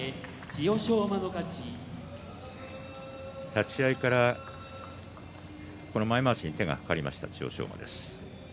立ち合いからこの前まわしに手が掛かりました千代翔馬です。